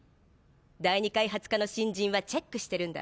第二開発課の新人はチェックしてるんだ。